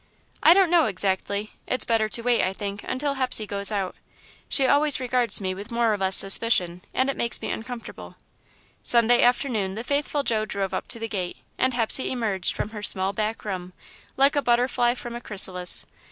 "I don't know exactly. It's better to wait, I think, until Hepsey goes out. She always regards me with more or less suspicion, and it makes me uncomfortable." Sunday afternoon, the faithful Joe drove up to the gate, and Hepsey emerged from her small back room, like a butterfly from a chrysalis.